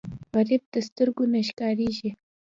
غریب د سترګو نه ښکارېږي